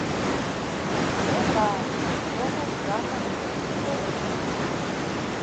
Oba, vou mostrar para todos os meus amigos.